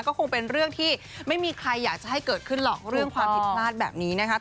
ก็คงเป็นเรื่องที่ไม่มีใครอยากจะให้เกิดขึ้นหรอกเรื่องความผิดพลาดแบบนี้นะคะ